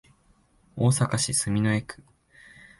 大阪市住之江区